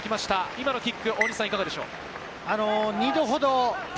今のキックは大西さん、いかがでしょうか？